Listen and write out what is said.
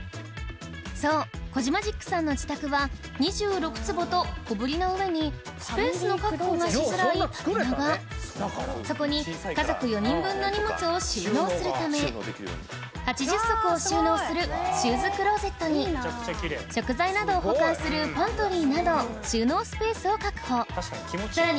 そうコジマジックさんの自宅は２６坪と小ぶりなうえにスペースの確保がしづらい縦長そこに家族４人分の荷物を収納するため８０足を収納するシューズクローゼットに食材などを保管するパントリーなど収納スペースを確保さらに